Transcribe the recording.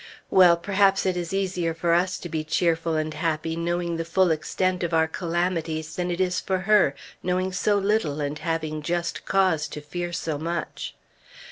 Well, perhaps it is easier for us to be cheerful and happy, knowing the full extent of our calamities, than it is for her, knowing so little and having just cause to fear so much.